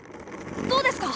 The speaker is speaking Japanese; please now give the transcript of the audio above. どうですか？